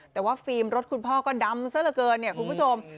แต่ว่าฟิล์มรถคุณพ่อก็ดำซะละเกินเนี่ยคุณผู้ชม